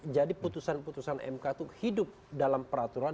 jadi putusan putusan mk itu hidup dalam peraturan